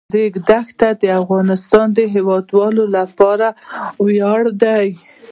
د ریګ دښتې د افغانستان د هیوادوالو لپاره ویاړ دی.